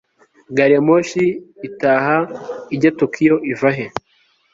gari ya moshi itaha ijya tokiyo ivahe